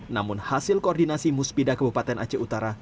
namun hasil koordinasi musbidah kabupaten aceh utara